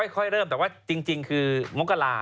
ค่อยเริ่มแต่ว่าจริงคือมกรา